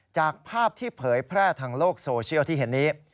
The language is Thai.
จากภาพที่เผยแพร่ทางโลกโซเชียลที่เห็นนี้